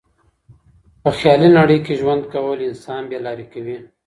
په خيالي نړۍ کي ژوند کول انسان بې لاري کوي.